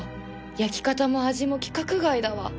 焼き方も味も規格外だわ